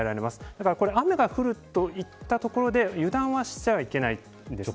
だから雨が降るといったところで油断はしてはいけないんですね。